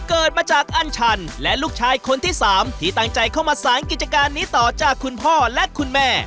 เกิดมาจากอัญชันและลูกชายคนที่สามที่ตั้งใจเข้ามาสารกิจการนี้ต่อจากคุณพ่อและคุณแม่